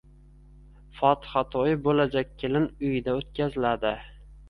Fotiha to’yi bo’lajak kelin uyida o’tkaziladi.